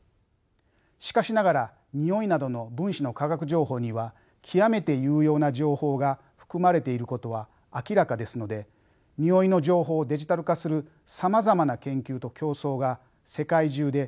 しかしながらにおいなどの分子の化学情報には極めて有用な情報が含まれていることは明らかですのでにおいの情報をデジタル化するさまざまな研究と競争が世界中で行われています。